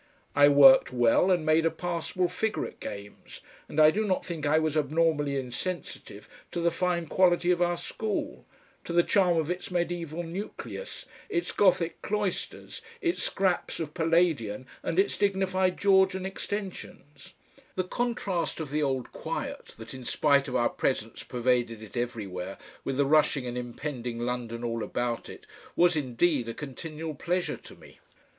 I worked well and made a passable figure at games, and I do not think I was abnormally insensitive to the fine quality of our school, to the charm of its mediaeval nucleus, its Gothic cloisters, its scraps of Palladian and its dignified Georgian extensions; the contrast of the old quiet, that in spite of our presence pervaded it everywhere, with the rushing and impending London all about it, was indeed a continual pleasure to me.